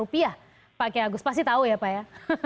pak kia agus pasti tahu ya pak ya